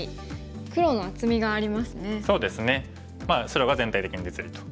白が全体的に実利と。